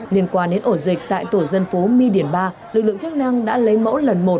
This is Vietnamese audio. liên quan đến ổ dịch tại tổ dân phố my điển ba lực lượng chức năng đã lấy mẫu lần một